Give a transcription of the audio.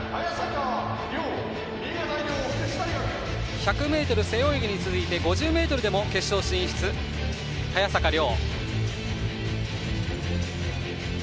１００ｍ背泳ぎに続いて５０ｍでも決勝進出、早坂亮。